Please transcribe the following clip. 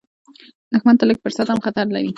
دښمن ته لږ فرصت هم خطر لري